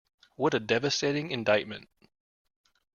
What a devastating indictment.